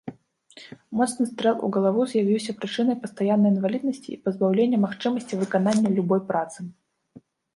Моцны стрэл у галаву з'явіўся прычынай пастаяннай інваліднасці і пазбаўлення магчымасці выканання любой працы.